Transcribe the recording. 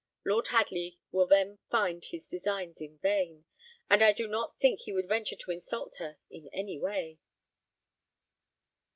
Lord Hadley will then find his designs in vain; and I do not think he would venture to insult her in any way."